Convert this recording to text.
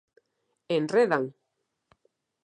Enredan.